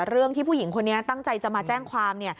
เรื่องที่ผู้หญิงคนนี้ตั้งใจจะมาแจ้งความ